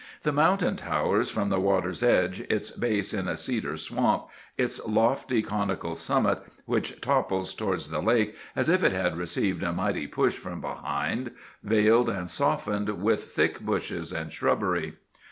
The mountain towers from the water's edge, its base in a cedar swamp, its lofty conical summit, which topples towards the lake as if it had received a mighty push from behind, veiled and softened with thick bushes and shrubbery.